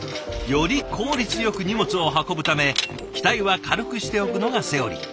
より効率よく荷物を運ぶため機体は軽くしておくのがセオリー。